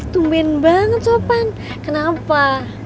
tumben banget sopan kenapa